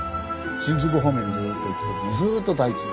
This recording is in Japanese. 新宿方面にずっと行くとずっと台地ですからね。